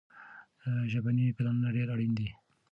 ژبني پلانونه ډېر اړين دي.